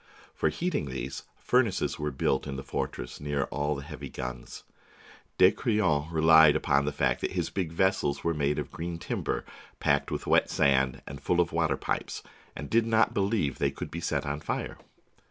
For heating these, furnaces were built in the fortress near all the heavy guns. De Crillon relied upon the fact that his big vessels were made of green timber, packed with wet sand, and full of water pipes, and did not believe they could be set on fire.